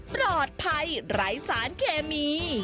ปลอดภัยไร้สารเคมี